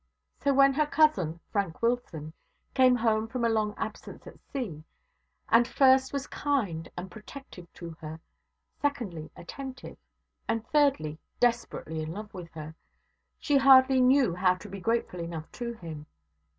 So when her cousin, Frank Wilson, came home from a long absence at sea, and first was kind and protective to her; secondly, attentive; and thirdly, desperately in love with her, she hardly knew how to be grateful enough to him.